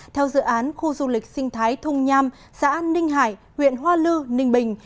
theo dự án khu du lịch sinh thái thung nham xã ninh hải huyện hoa lư ninh bình